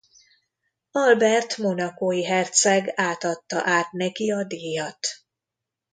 Albert monacói herceg átadta át neki a díjat.